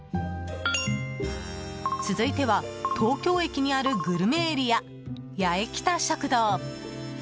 続いては東京駅にあるグルメエリア、八重北食堂。